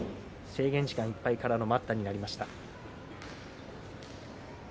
制限時間いっぱいからの待ったになりました。